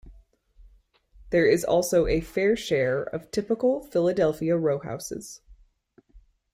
There is also a fair share of typical Philadelphia rowhouses.